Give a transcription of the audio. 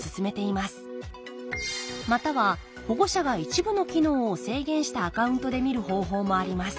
または保護者が一部の機能を制限したアカウントで見る方法もあります